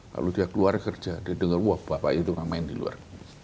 lalu dia keluar kerja dia dengar wah bapak itu gak main di luar